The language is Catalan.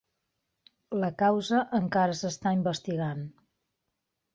La causa encara s'està investigant.